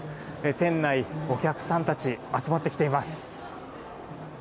店内、お客さんたち集まってきています。